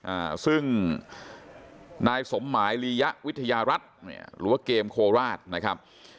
อ่าซึ่งนายสมหมายลียะวิทยารัฐเนี่ยหรือว่าเกมโคราชนะครับ